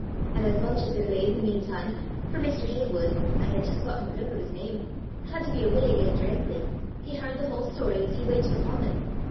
An' as lunch had been laid i' the meantime, for Mr. Heywood I hae jist gotten a grup o' his name had to be awa' again direckly, he h'ard the whole story as he waitit upo' them.